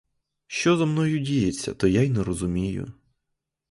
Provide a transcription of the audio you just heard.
Що зо мною діється, то я й не зрозумію!